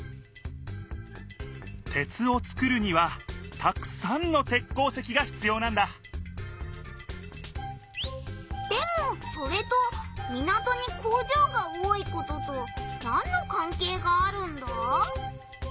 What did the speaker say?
鉄を作るにはたくさんの鉄鉱石がひつようなんだでもそれと港に工場が多いこととなんのかんけいがあるんだ？